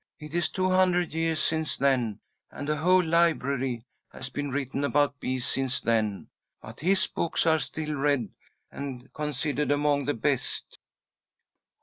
It is two hundred years since then, and a whole library has been written about bees since then, but his books are still read, and considered among the best.